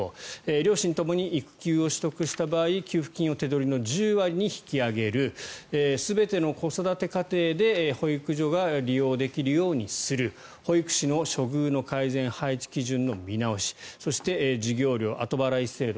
両親ともに育休を取得した場合給付金を手取りの１０割に引き上げる全ての子育て家庭で保育所が利用できるようにする保育士の処遇の改善配置基準の見直しそして、授業料後払い制度